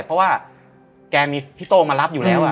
เพราะว่าแกมีพี่โต้มารับอยู่แล้ว